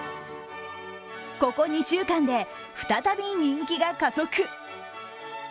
ここ２週間で再び人気が加速。